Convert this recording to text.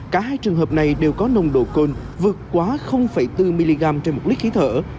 cả hai trường hợp này đều có nồng độ cồn vượt quá bốn mg trên một lít khí thở